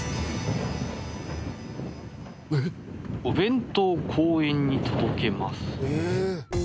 「お弁当公園に届けます！」